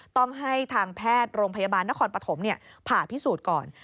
ต้องให้ทางแพทย์โรงพยาบาลนครปฐมผ่าพิสูจน์ก่อน